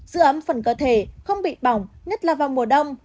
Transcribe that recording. giữ ấm phần cơ thể không bị bỏng nhất là vào mùa đông